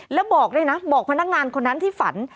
แล้วบอกด้วยนะบอกพนักงานคนนั้นที่ฝัน